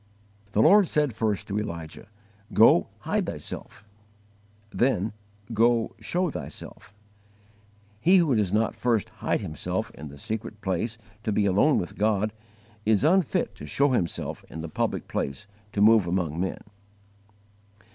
The Lord said first to Elijah, "Go, HIDE THYSELF"; then, "Go, SHOW THYSELF." He who does not first hide himself in the secret place to be alone with God, is unfit to show himself in the public place to move among men.